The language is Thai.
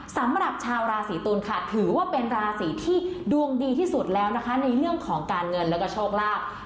สำหรับชาวราศีตุลค่ะถือว่าเป็นราศีที่ดวงดีที่สุดแล้วนะคะในเรื่องของการเงินแล้วก็โชคลาภ